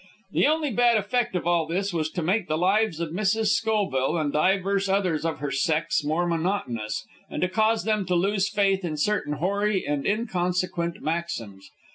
The only bad effect of all this was to make the lives of Mrs. Schoville and divers others of her sex more monotonous, and to cause them to lose faith in certain hoary and inconsequent maxims.